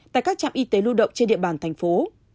tại các trạm y tế lưu động trên địa bàn thành phố